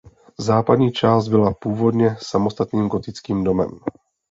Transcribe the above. Západní část byla původně samostatným gotickým domem.